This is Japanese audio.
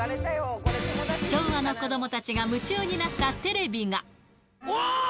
昭和の子どもたちが夢中になったテレビが。